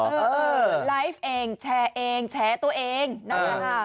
เออเออไลฟ์เองแชร์ตัวเองแน่ะนะคะ